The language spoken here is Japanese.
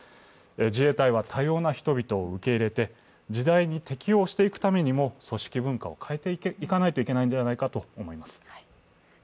自衛隊は多様な人々を受け入れて時代に適応していくためも組織文化を変えていかなければいけないのではないかと思います。